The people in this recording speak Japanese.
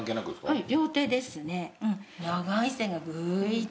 はい。